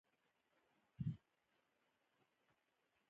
اجتماعي، سیاسي، فرهنګي عناصر توضیح شي.